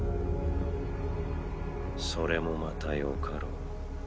それもまたよかろう。